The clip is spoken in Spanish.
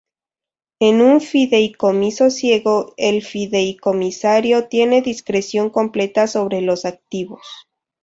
En un fideicomiso ciego, el fideicomisario tiene discreción completa sobre los activos.